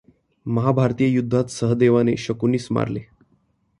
महाभारतीय युद्धात सहदेवाने शकुनीस मारले.